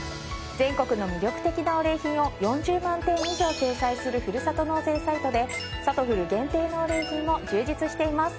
全国の魅力的なお礼品を４０万点以上掲載するふるさと納税サイトでさとふる限定のお礼品も充実しています。